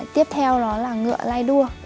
tiếp theo đó là ngựa lai đua